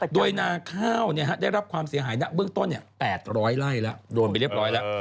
โดยนาข้าวเนี่ยได้รับความเสียหายณเบื้องต้นเนี่ย๘๐๐ไล่ละโดนไปเรียบร้อยละ